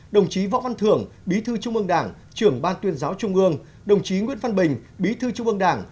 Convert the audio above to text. đồng chí võ văn thưởng bí thư trung ương đảng trưởng ban tuyên giáo trung ương đồng chí nguyễn văn bình bí thư trung ương đảng